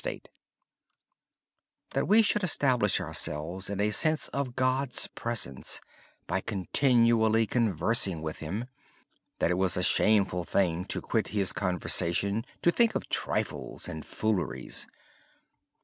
Brother Lawrence related that we should establish ourselves in a sense of God's Presence by continually conversing with Him. It was a shameful thing to quit His conversation to think of trifles and fooleries.